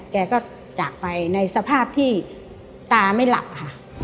แกก็จากไปในสภาพที่ตาไม่หลับค่ะ